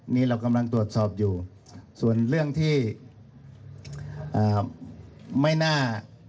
นี่เรากำลังตรวจสอบอยู่ส่วนเรื่องที่ไม่น่า